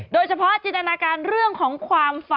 จินตนาการเรื่องของความฝัน